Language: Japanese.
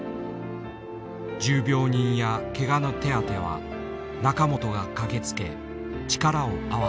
重病人やけがの手当ては仲本が駆けつけ力を合わせる。